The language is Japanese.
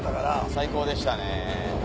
最高でしたね。